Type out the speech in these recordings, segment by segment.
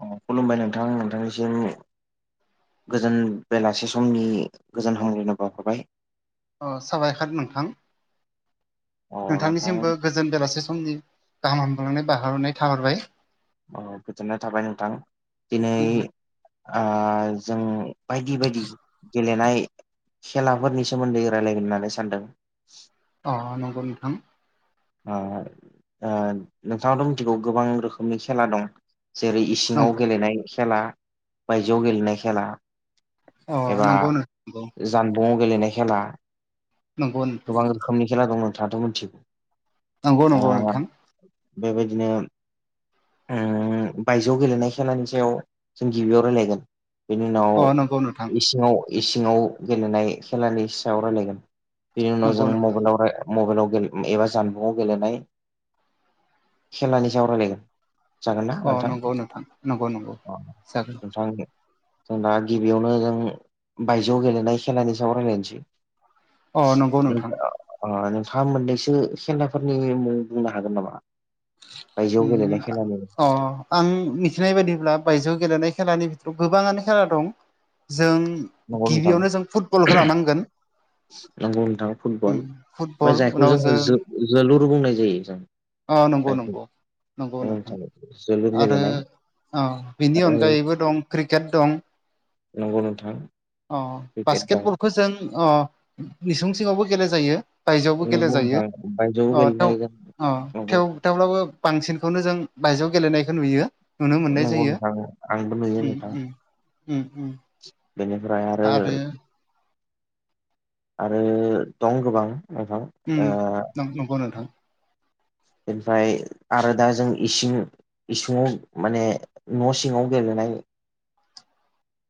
अ खुलुमबाय नोंथां नोंथांनिसिम गोजोन बेलासे समनि गोजोन हामलायनो बाउहरबाय। अ साबायखर नोंथां। अ नोंथां नोंथांनिसिमबो गोजोन बेलासे समनि गाहाम हामललांनाय बारहरनाय थाहरबाय। गोजोननाय थाबाय नोंथां दिनै ओ जों बायदि बायदि गेलेनाय खेलाफोरनि सोमोन्दै रायज्लायगोन होननानै सानदों। अ नंगौ नोंथां। ओ ओ नोंथाङाथ' मिथिगौ गोबां रोखोमनि खेला दं जेरै इसिङाव नंगौ गेलेनाय खेला बायजोआव गेलेनाय खेला अ एबा नंगौ नंगौ जानबुंआव गेलेनाय खेला। नंगौ नोंथां गोबां रोखोमनि खेला दं नोंथाङाथ' मिथिगौ नंगौ नंगौ ओ नोंथां बेबायदिनो ओम बायजोआव गेलेनाय खेलानि सायाव जों गिबियाव रायलायगोन। बेनि उनाव अ नंगौ नोंथां इसिङाव इसिङाव गेलेनाय खेलानि सायाव रायलायगोन। बिनि उनाव जों नंगौ नोंथां मबाइलावहाय मबाइलाव गे- एबा जानबुंआव गेलेनाय खेलानि सायाव रायलायगोन। जागोन ना अ नोंथां? नंगौ नोंथां नंगौ नंगौ अ जागोन नोंथां [unintelligible] जों दा गिबियावनो जों बायजोआव गेलेनाय खेलानि सायाव रायज्लायनोसै। अ नंगौ नोंथां ओ अ नोंथाङा मोननैसो खेलाफोरनि मुं बुंनो हागोन नामा? बाय जोआव गेलेनाय उम खेलानि अ आं मिथिनाय बायदिब्ला बायजोआव गेलेनाय खेलानि बिथोराव गोबाङानो खेला दं। जों नंगौ गिबियावनो जों फुटबलखौ लानांगोन। नांगौ नोंथां उम फुटबल फुटबल ओमफ्राय जायखौ उनाव जोङो जों जो-जोलुर बुंनाय जायो जों। अ नंगौ जायखौ नंगौ नंगौ औ नोंथां जोलुर आरो गेलेनाय औ बेनि आरो अनगायैबो दं क्रिकेट दं। नंगौ नोंथां। अ क्रिकेट दं बास्केटबलखौ जों मिसुं सिङावबो गेल जायो। बायजोआवबो नंगौ नोंथां गेलेजायो बायजोआव अ थ' गेलेनाय जों नंगौ थेव थेवब्लाबो बांसिनखौनो जों बायजोआव गेलेनायखौ नुयो। नुनो मोननाय नंगौ जायो। नोंथां आंबो उम उम उम उम बिनिफ्राय आरो आरो दं गोबां नोंथां उम ओ नंग नंगौ नोंथां। ओमफ्राय आरो दा जों इसिं इसुङांव माने न' सिंङाव गेलेनाय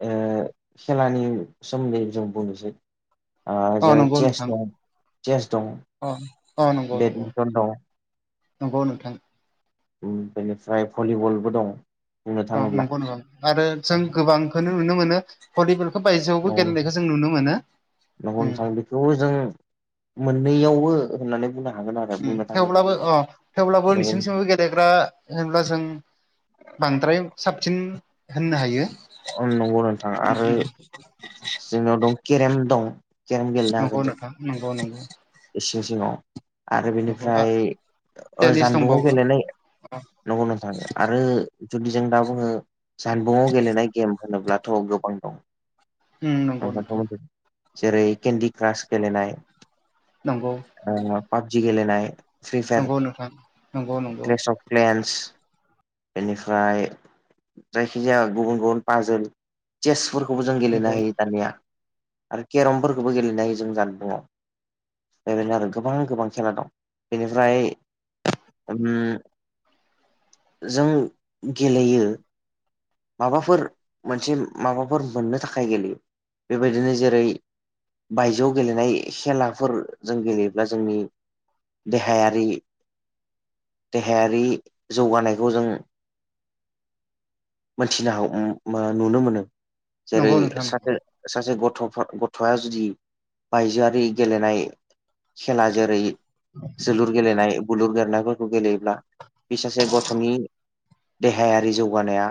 ओ खेलानि सोमोन्दै जों बुंनोसै आ अ जेरै नंगौ चेस नोंथां दं चेस दं। अ अ नंगौ नंगौ बेटमिन्टन दं। नंगौ नोंथां उम बेनिफ्राय भलिबलबो दं। बुंनो दं थाङोब्ला नंगौ नोंथां आरो जों गोबांखौनो नुनो मोनो भलिबलखौ बायजोआवबो न'आव गेलेनायखौ जों नुनो मोनो। उम बेखौ जों मोननैयावबो होननानै बुंनांग थेवब्लाबो अ थेवब्लाबो नंगौ नोंसिरनिथिमबो गेलेग्रा होनब्ला जों बांद्राय साबसिन होननो हायो। औ नंगौ नोंथां आरो जोंनियाव दं केरेम दं। केरेम नंगौ नोंथां नंगौ नंगौ। एसे सिंङाव आरो नंगौ आ बेनिफ्राय ओ टेनिस जानबुंआव दंबावो गेलेनाय नंगौ नोंथां आरो जुदि जों दा बुंङो जानबुंआव गेलेनाय गेम होनोब्लाथ' गोबां दं। उम नंगौ नोंथां [unintelligible] जेरै केन्दि क्रास गेलेनाय नंगौ ओ पाबजि गेलनाय फ्रि फायार नंगौ नोंथां नंगौ नंगौ क्लेस अफ क्लेन्स बेनिफ्राय जायखिजाया गुबुन गुबुन पाजोल चेसफोरखौबो जों गेलेनो नंगौ हायो दानिया आरो केरमफोरखौबो गेलेनो हायो जों जानबुंङाव। ओरैनो आरो गोबां गोबां खेला दं बेनिफ्राय उम जों गेलेयो माबाफोर मोनसे माबाफोर मोननो थाखाय गेलेयो बेबायदिनो जेरै बायजोआव गेलेनाय खेलाफोर जों गेलेयोब्ला जोंनि देहायारि देहायारि जौगानायखौ जों मोनथिनो हागो उम नुनो मोनो जेरै नंगौ नोंथां नंगौ सासे सासे गथ'फो गथ'आ जुदि बायजोआरि गेलेनाय खेला जेरै जोलुर गेलेनाय बुलुर गेलेनायफोरखौ गेलेयोब्ला बिसासे गथ'नि देहायारि जौगानाया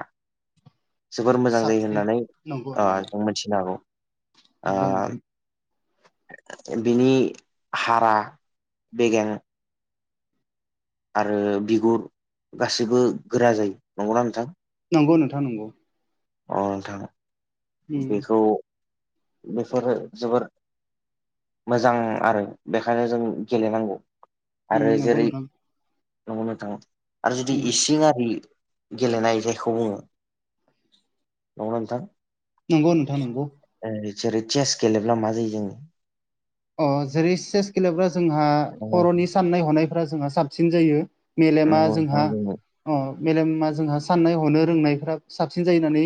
जोबोर मोजां जायो साबसिन होननानै नंगौ ओ नंगौ एखौ मोनथिनो हागौ। ओ नंगौ नोंथां। बिनि हारा बेगें आरो बिगुर गासिबो गोरा जायो नंगौना नोंथां? नंगौ नोंथां नंगौ। अ नोंथां उम बेखौ बेफोरो जोबोर मोजां आरो बेखायनो जों गेलेनांगौ उम आरो नंगौ जेरै नोंथां नंगौ नोथां आरो जुदि उम इसिं आरि गेलेनाय जायखौ बुंङो नंगौना नोंथां? नंगौ नोंथां नंगौ। ओ जेरै चेस गेलेब्ला मा जायो जोंङो अ जेरै चेस गेलेब्ला जोंहा खर'नि साननाय हनायफ्रा जोंहा साबसिन जायो। मेलेमा नंगौ नंगौ नोंथां जोंहा अ मेलेमा जोंहा साननाय हनो रोंनायफ्रा साबसिन जायो होननानै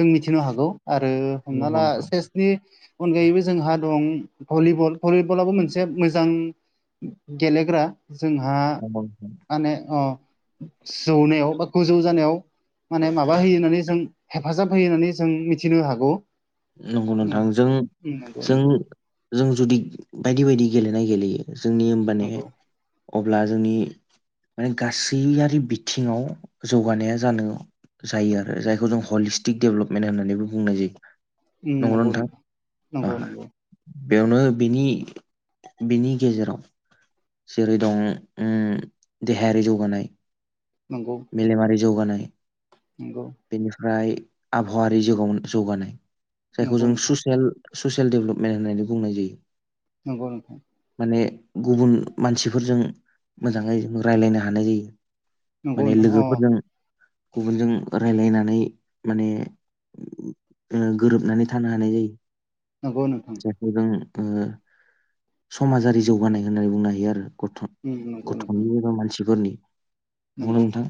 जों मिथिनो हागौ आरो हमना नंगौ नंगौ ला नोंथां सेसनि अनगायैबो जोंहा दं भलिबल भलिबलाबो मोनसे मोजां गेलेग्रा जोंहा नंगौ नोंथां माने अ जौनायाव बा गोजौ जानायाव माने माबा होयो होननानै जों हेफाजाब होयो होननानै जों मिथिनो हागौ। नंगौ नोंथां उम जों उम नंगौ जों नंगौ जों जुदि बायदि बायदि गेलेनाय गेलेयो। जोंनि होमबाने नंगौ अब्ला जोंनि माने गासैयारि बिथिङाव जौगानाया जानो जायो आरो जायखौ जों हलिस्टिक दडेभेलपमेन्ट होननानैबो बुंनाय जायो। नंगौ ना नोंथां ओ नंगौ नंगौ बेयावनो बिनि बिनि गेजेराव जेरै दं उम देहायारि जौगानाय नंगौ मेलेमारि जौगानाय नंगौ बेनिफ्राय आबहावारि जगाव जौगानाय जायखौ नंगौ जों नोंथां ससियेल ससियेल डेभेलपमेन्ट होननानै बुंनाय जायो। नंगौ नोंथां माने गुबुन मानसिफोरजों मोजाङै जों रायज्लायनो हानाय जायो। नंगौ माने नोंथां अ लोगोफोरजों गुबुनजों रायलायनानै माने ओ गोरोबनानै थानो हानाय जायो। नंगौ नोंथां बेखौ जों ओ समाजारि जौगानाय होननानै बुंनो हायो आरो गथ' उम नंगौ नोंथां गथ'नि एबा मानसिफोरनि नंगौना नंगौ नोंथां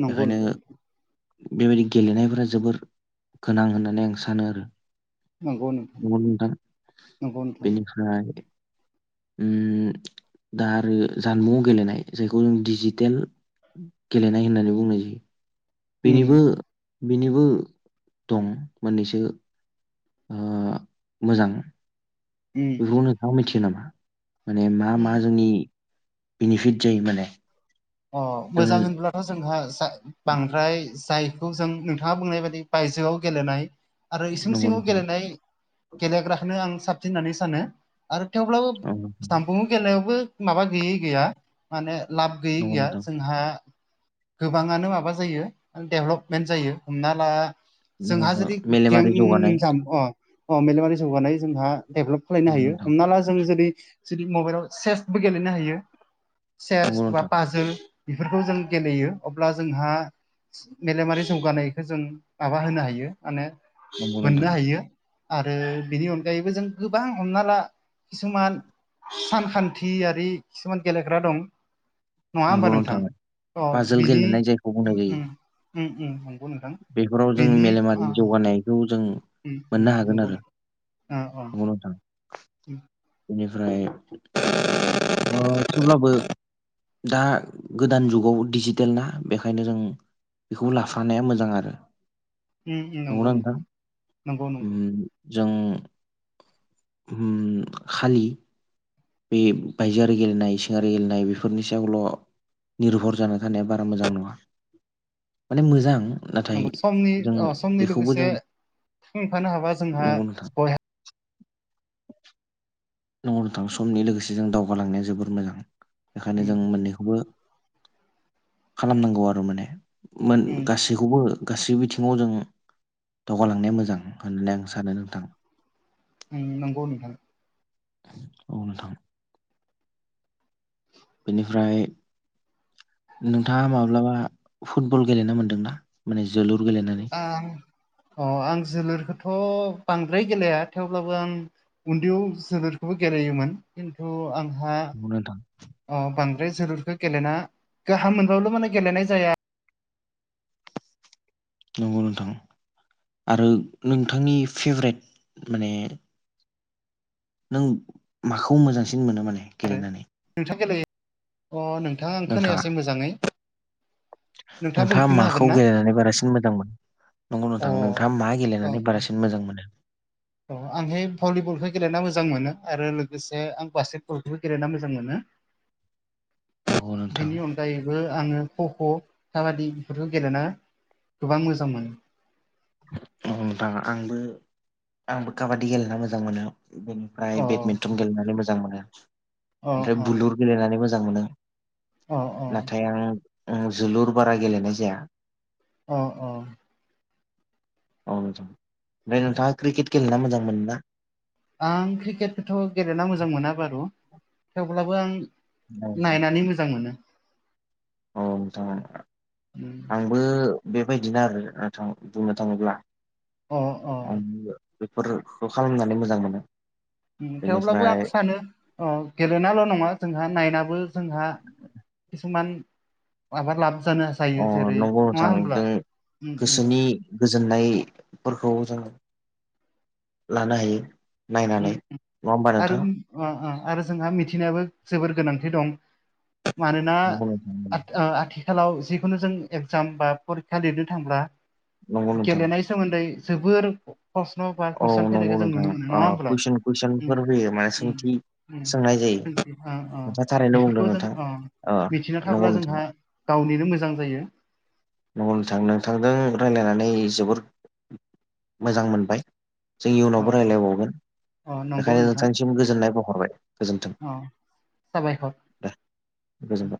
नंगौ नंगौ नोंथां बेबायदि गेलेनायफोरा जोबोर गोनां होननानै आं सानो आरो नंगौ ना नोंथां नंगौ नोंथां बेनिफ्राय उम दा आरो जानबुं गेलेनाय जायखौ जों डिजिटेल गेलेनाय होननानै बुंनाय जायो। उम बेनिबो बेनिबो दं मोननैसो ओ मोजां उम बेखौ नोंथाङा मिथियो नामा माने मा मा जोंनि बेनिफिट जायो माने अ जों मोजां होनब्लाथ' जोंहा जा बांद्राय जाय खौ जों नोंथाङा बुंनाय बायदि बायजोआव गेलेनाय आरो इसिं नंगौ सिङाव नोंथां गेलेनाय गेलेग्राखौनो आं साबसिन होननानै सानो आरो थेवब्लाबो औ नोंथां जामफुुं गेलायावबो माबा गैयै गैया माने लाब गैयै नंगौ गैया नोंथां जोंहा गोबाङानो माबा जायो डेभलपमेन्ट जायो हमना ला नंगौ जोंहा जुदि नोंथां गेम मेलेमारि जौगानाय जाम अ अ मेलेमारि जौगानाय जोंहा डेभलप खालायनो नंगौ हायो नोंथां हमना ला जों जेरै जुदि मबाइलाव सेसबो गेलेनो हायो सेस नंगौ नोंथां हाजो बेफोरखौ जों गेलेयो अब्ला जोंहा मेलेमारि जौगानायखौ जों माबा होनो हायो माने नंगौ नोंथां मोननो हायो। आरो बेनि अनगायैबो जों गोबां हमना ला किसुमान सानखान्थियारि खिसुमान गेलेग्रा दं। नङा होमबा नोंथां अ पाजोल बिनि गेलेनाय जायखौ बुंनाय जायो उम उम उ उ बेफोराव जों मेलेमारि जौगानायखौ जों उ नंगौ अ अ अ नोंथां उम बेनिफ्राय ओ थेवब्लाबो दा गोदान जुगाव डिजिटेल ना बेखायनो जों बेखौ लाफानाया मो जां आरो उम उम नोंथां नंगौ उम नंगौ जों उम खालि बे बायजोआरि गेलेनाय इसिङारि गेलेनाय बेफोरनि सायावल' निर्भर जाना थानाया बारा मोजां नङा माने मोजां नाथाय नंगौ समनि जों अ समनि बेखौबो लोगोसे जों थांफानो हाबा जोंहा नंगौ नोंथां बयहा नंगौ नोंथां समनि लोगोसे जों दावगालांनाया जोबोर मोजां बेखायनो उम जों मोननैखौबो खालामनांगौ आरो माने मोन उम गासैखौबो गासै बिथिङाव जों दावगालांनाया मोजां होननानै आं सानो नोंथां उम नंगौ नोंथां औ नोंथां बेनिफ्राय नोंथाङा माब्लाबा फुटबल गेलेनो मोनदोंना माने जोलुर गेलेनानै आं अ आं जोलुरखौथ' बांद्राय गेलेया थेवब्लाबो आं उन्दैयाव जोलुरखौबो गेलेयोमोन खिन्थु आंहा नंगौ नोंथां अ बांद्राय जोलुरखौ गेलेना गाहाम मोनबबो' माने गेलेनाय जाया नंगौ नोंथां आरो नोंथांनि फेभराइट माने नों माखौ मोजांसिन मोनो माने गेलेनानै नोंथां गेलेयो अ नोंथां आं नोंथाङा खोनायासै मोजाङै नोंथाङा बुंफिननो हागोन माखौ ना गेलेनानै बारासिन मोजां मोन नंगौ अ नोंथां नोंथाङा मा औ गेलेनानै बारासिन मोजां मोनो? औ आं होय भलिबलखौ गेलेना मोजां मोनो आरो लोगोसे आं बास्केट बलखौबो गेलेना मोजां मोनो [inaudible] नोंथां बिनि अनगायैबो आङो खख' काबादि बेफोरखौ गेलेना गोबां मोजां मोनो अ नोंथां आंबो आंबो काबादि गेलेना मोजां मोनो बेनो ओमफ्राय अ बेडमिन्टन गेलेनानै मोजां मोनो अ ओमफ्राय अ बुलुर गेलेनानै मोजां मोनो अ अ नाथाय आं उम जोलुर बारा गेलेनाय जाया अ अ औ नोंथां ओमफ्राय नोंथाङा क्रिकेट गेलेना मोजां मोनो ना? आं क्रिकेटखौथ' गेलेना मोजां मोना बारु थेवब्लाबो आं औ नोंथां। नायनानै मोजां मोनो औ नोंथां आं बो बेबायदिनो आरो नोंथां बुंनो थाङोब्ला अ अ आं बेफोरखौ खालामनानै मोजां मोनो उम थेवब्लाबो बेनिफ्राय आं सानो गेलेनाल' नङा जोंहा नायनाबो जोंहा कसुमान माबा लाभ जानो हा अ नंगौ नोथांदों उम उम गोसोनि गोजोननायफोरखौ जों लानो हायो उम नायनानै नङा होमबा आरो नोंथां ओ ओं आरो जोंहा मिथिनायाबो जोबोर गोनांथि दं मानोना नंगौ नोंथां आथ-आथि खालाव जिखुनु जों एगजाम बा फरिखा लिरनो थांब्ला नंगौ नंगौ नोंथां गेलेनाय सोमोन्दै जोबोर प्रस्न' बा कुइसन फैनायखौ जों नुनो मोन नङा होमबा कुइन कुसनफोर फैयो माने सोंथि उम सोंनाय जायो मिथियो अ अ नोंथाङा थारैनो बुंदों बिफोरखौ जों नोंथां अ ओ मिथिना नंगौ थाब्ला नोंथां जोंहा गावनिनो मोजां जायो नंगौ नोंथां नोंथांजों रायज्लायनानै जोबोर मोजां मोनबाय जों अ इयुनावबो रायजलायबावगोन अ नंगौ बेखायनो नोंथां नोंथांनिसिम गोजोननाय बहरबाय गोजोन्थों अ साबायखर द गोजोनथों [inaudible]